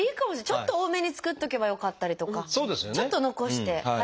ちょっと多めに作っておけばよかったりとかちょっと残して腹